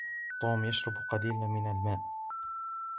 توم يشرب قليلا من الماء.